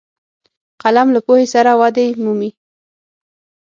قلم له پوهې سره ودې مومي